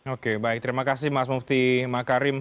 oke baik terima kasih mas mufti makarim